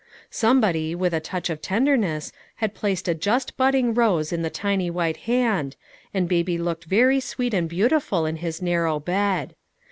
Somebody, with a touch of tenderness, had placed a just budding rose in the tiny white hand, and baby looked very sweet and beautiful in his narrow bed.